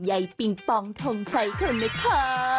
ใยปิงปองทงใช้เฉินไหมคะ